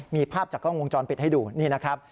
มีภาพจากกล้องวงจรปิดให้ดูนี่นะครับ